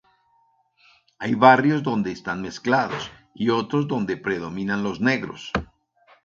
Hay barrios donde están mezclados y otros donde predominan los negros.